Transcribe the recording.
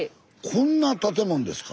こんな建物ですか。